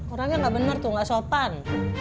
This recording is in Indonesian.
orangnya nggak bener tuh gak sopan